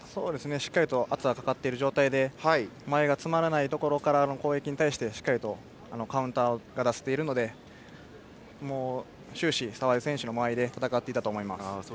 しっかり圧がかかっている状態で前が詰まらないところからの攻撃に対してしっかりカウンターしているので終始、澤江選手の間合いで戦っていたと思います。